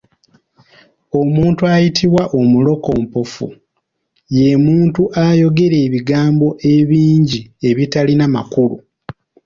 Omuntu ayitibwa omulokompofu, ye muntu ayogera ebigambo ebingi ebitalina makulu.